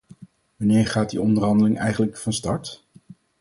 Wanneer gaan die onderhandelingen eigenlijk van start?